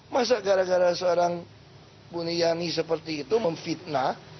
masa gara gara seorang buniyani seperti itu memfitnah